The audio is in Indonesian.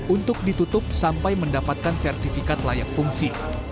untuk ditutup sampai mendapatkan sertifikat layak fungsi